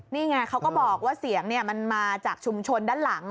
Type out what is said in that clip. นี่ไงเขาก็บอกว่าเสียงมันมาจากชุมชนด้านหลัง